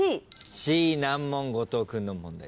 Ｃ難問後藤君の問題です。